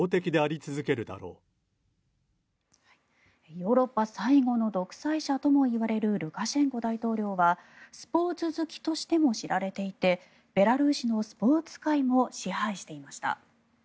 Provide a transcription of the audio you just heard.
ヨーロッパ最後の独裁者ともいわれるルカシェンコ大統領はスポーツ好きとしても知られていてベラルーシのスポーツ界も支配していました。